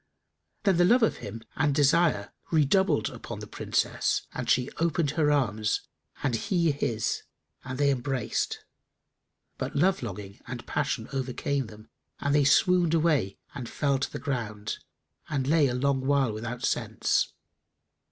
Then the love of him and desire redoubled upon the Princess and she opened her arms and he his, and they embraced; but love longing and passion overcame them and they swooned away and fell to the ground and lay a long while without sense.